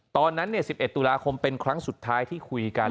ตอนนั้น๑๑ตุลาคมเป็นครั้งสุดท้ายที่คุยกัน